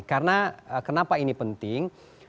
karena kenapa ini penting